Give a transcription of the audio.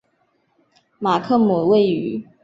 马克姆位于。